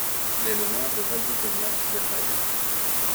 Elle est maire de Valdepeñas de Jaén.